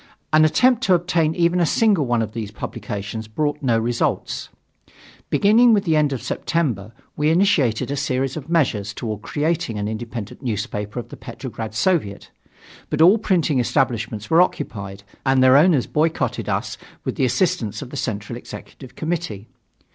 An attempt to obtain even a single one of these publications brought no results. Beginning with the end of September, we initiated a series of measures toward creating an independent newspaper of the Petrograd Soviet. But all printing establishments were occupied and their owners boycotted us with the assistance of the Central Executive Committee.